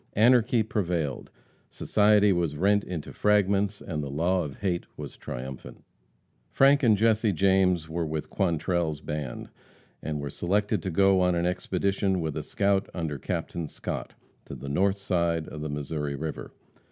Anarchy prevailed. Society was rent into fragments and the law of hate was triumphant. Frank and Jesse James were with Quantrell's band, and were selected to go on an expedition with a scout under Captain Scott, to the north side of the Missouri river.